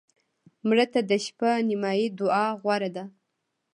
مړه ته د شپه نیمایي دعا غوره ده